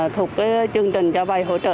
thuộc chương trình cho vay hỗ trợ